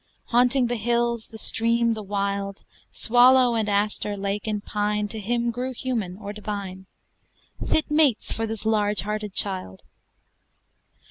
"Haunting the hills, the stream, the wild, Swallow and aster, lake and pine, To him grew human or divine, Fit mates for this large hearted child.